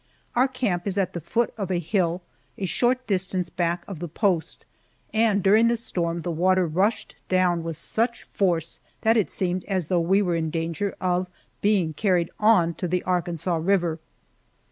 Our camp is at the foot of a hill a short distance back of the post, and during the storm the water rushed down with such force that it seemed as though we were in danger of being carried on to the Arkansas River.